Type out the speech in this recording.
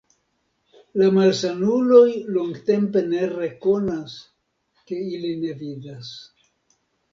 La malsanuloj longtempe ne rekonas, ke ili ne vidas.